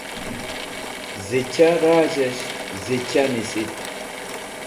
zicha razh'esh zicha nisit